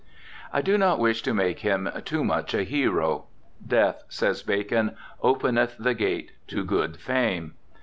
I do not wish to make him too much a hero. "Death," says Bacon, "openeth the gate to good fame."